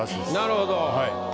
なるほど。